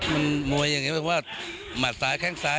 มันมวยยังไงไหมว่ามัดซ้ายแค่งซ้าย